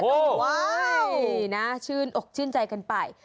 โอ้โหว้าวนะชื่นอกชื่นใจกันไป